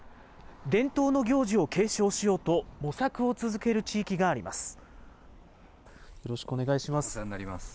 伝統の行事を継承しようと、模索を続ける地域があります。